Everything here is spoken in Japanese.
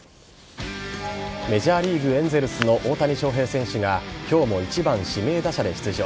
メジャーリーグエンゼルスの大谷翔平選手が今日も１番・指名打者で出場。